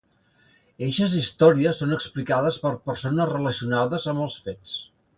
Eixes històries són explicades per persones relacionades amb els fets.